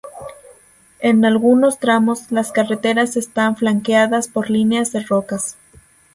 En algunos tramos, las carreteras están flanqueadas por líneas de rocas.